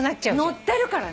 乗ってるからね。